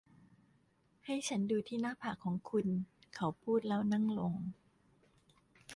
ให้ฉันดูที่หน้าผากของคุณเขาพูดแล้วนั่งลง